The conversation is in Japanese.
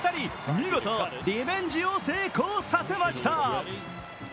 見事、リベンジを成功させました。